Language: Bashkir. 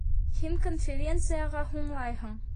Һин конференцияға һуңлайһың!